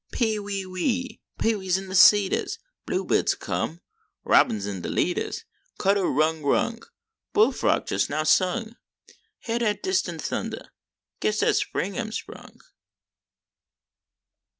"Pee, wee, wee," pee wees in de cedars, Bluebirds come, robins an de leaders, Cndder rudder rung, bullfrog just now sung, Hyar dat distant thundah ; guess dat spring am sprung.